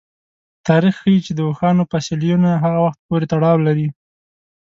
تاریخ ښيي چې د اوښانو فسیلونه هغه وخت پورې تړاو لري.